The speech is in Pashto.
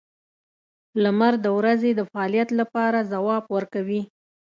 • لمر د ورځې د فعالیت لپاره ځواب ورکوي.